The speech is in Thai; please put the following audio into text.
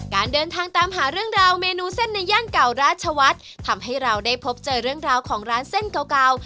การเดินทางตามหาเรื่องราวเมนูเส้นในย่านเก่าราชวัฒน์ทำให้เราได้พบเจอเรื่องราวของร้านเส้นเก่า